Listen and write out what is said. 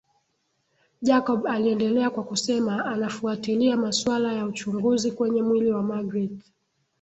Jacob aliendelea kwa kusema anafuatilia masuala ya uchunguzi kwenye mwili wa magreth